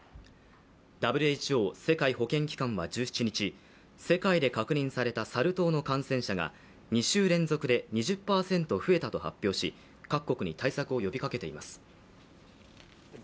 ＷＨＯ＝世界保健機関は１７日、世界で確認されたサル痘の感染者が２週連続で２０％増えたと発表し各国に対策を呼びかけています。